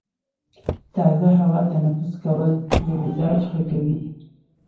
تازه هوا تنفس کول د مزاج ښه کوي.